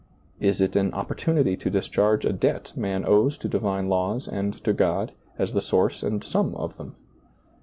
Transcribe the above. is it an opportunity to discharge a debt man owes to divine laws and to God, as the source and sum of them